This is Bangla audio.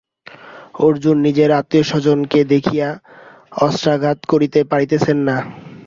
অর্জুন নিজের আত্মীয়স্বজনকে দেখিয়া অস্ত্রাঘাত করিতে পারিতেছেন না।